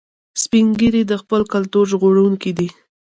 سپین ږیری د خپل کلتور ژغورونکي دي